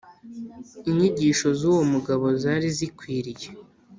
inyigisho z uwo mugabo zari zikwiriye